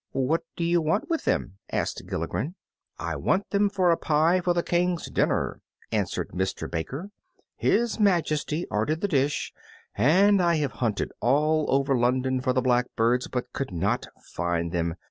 "What do you want with them?" asked Gilligren. "I want them for a pie for the King's dinner," answered Mister Baker; "His Majesty ordered the dish, and I have hunted all over London for the blackbirds, but could not find them.